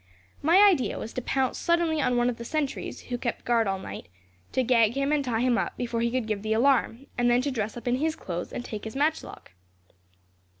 My idea was to pounce suddenly on one of the sentries, who kept guard all night; to gag him, and tie him up, before he could give the alarm; and then to dress up in his clothes, and take his matchlock.